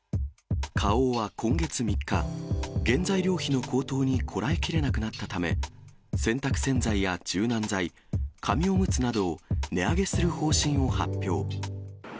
花王は今月３日、原材料費の高騰にこらえきれなくなったため、洗濯洗剤や柔軟剤、紙おむつなどを値上げする方針を発表。